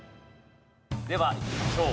ではいきましょう。